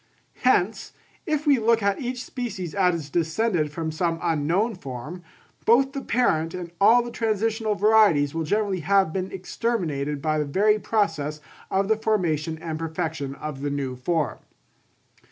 Hence, if we look at each species as descended from some unknown form, both the parent and all the transitional varieties will generally have been exterminated by the very process of the formation and perfection of the new form.